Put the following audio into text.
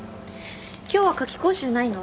今日は夏期講習ないの？